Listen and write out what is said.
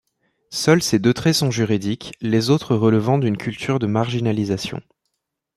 Seuls ces deux traits sont juridiques, les autres relevant d'une culture de marginalisation.